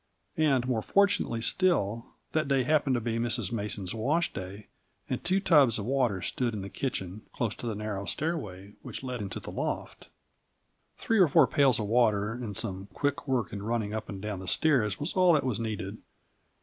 And, more fortunately still, that day happened to be Mrs. Mason's wash day and two tubs of water stood in the kitchen, close to the narrow stairway which led into the loft. Three or four pails of water and some quick work in running up and down the stairs was all that was needed.